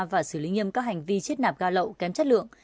và xử lý nghiêm các hành vi chiết nạp ga lậu kém chất lượng